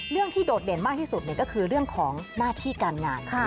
ที่โดดเด่นมากที่สุดก็คือเรื่องของหน้าที่การงาน